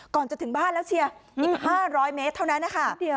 ก่อนจะถึงบ้านแล้วเชียร์อีก๕๐๐เมตรเท่านั้นนะคะ